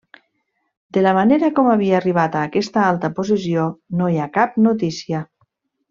De la manera com havia arribat a aquesta alta posició no hi ha cap notícia.